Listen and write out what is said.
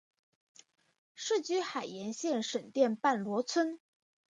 世居海盐县沈荡半逻村。